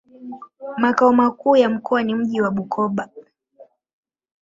Makao makuu ya mkoa ni mji wa Bukoba.